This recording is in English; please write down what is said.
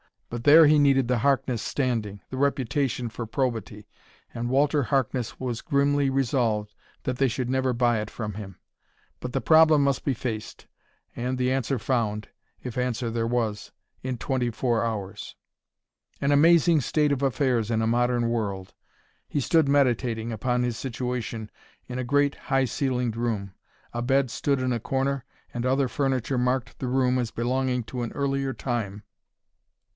But there he needed the Harkness standing, the reputation for probity and Walter Harkness was grimly resolved that they should never buy it from him. But the problem must be faced, and the answer found, if answer there was, in twenty four hours. An amazing state of affairs in a modern world! He stood meditating upon his situation in a great, high ceilinged room. A bed stood in a corner, and other furniture marked the room as belonging to an earlier time.